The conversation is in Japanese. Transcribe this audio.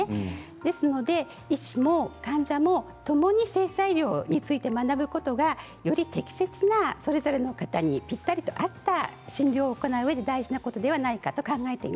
ですので医師も患者も共に性差医療について学ぶことがより適切なそれぞれの方にぴったりと合った診療を行ううえで大事なことではないか